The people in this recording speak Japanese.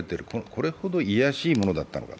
これほどいやしいものだったのか。